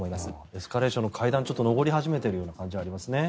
エスカレーションの階段を上り始めているような感じがありますね。